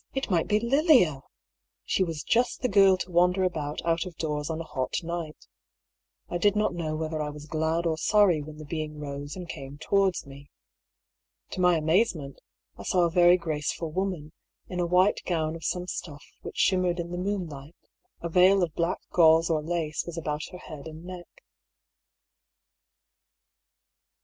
It might be Lilia! She was just the girl to wander about out of doors on a hot night. I did not know whether I was glad or sorry when the being rose and came towards me. To my amazement, I saw a very graceful woman, in a white gown of some stuff which shimmered in the moonlight. A veil of black gauze or lace was about her head and neck.